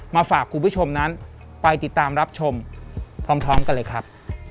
มาฝากคุณผู้ชมนั้นไปติดตามรับชมพร้อมกันเลยครับ